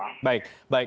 oke baik baik